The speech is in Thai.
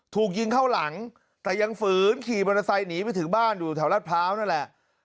ถูกยิงเข้าหลังแต่ยังฝืนขี่มอเตอร์ไซค์หนีไปถึงบ้านอยู่แถวรัฐพร้าวนั่นแหละ